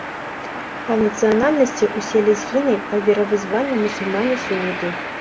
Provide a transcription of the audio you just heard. Па нацыянальнасці ўсе лезгіны, па веравызнанні мусульмане-суніты.